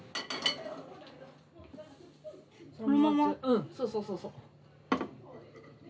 うんそうそうそうそう。